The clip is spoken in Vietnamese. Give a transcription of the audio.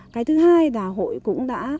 cái thứ hai là hội cũng đã